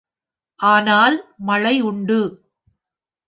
ஆனால், மழை உண்டு.